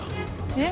えっ？